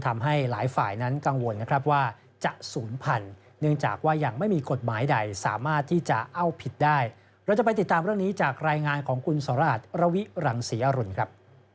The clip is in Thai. ราชระวิรังเสียรุ่นครับ